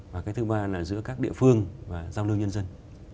và cái thứ ba là giữa các địa phương và giao lưu nhân dân